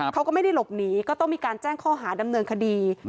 เขาก็ไม่ได้หลบหนีก็ต้องมีการแจ้งข้อหาดำเนินคดี